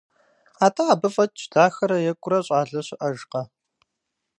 Атӏэ абы фӏэкӏ дахэрэ екӏурэ щӏалэ щыӏэжкъэ?